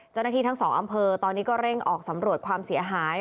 เจ้าหน้าที่ทั้งสองอำเภอตอนนี้ก็เร่งออกสำรวจความเสียหาย